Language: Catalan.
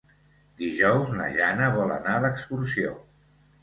Dijous na Jana vol anar d'excursió.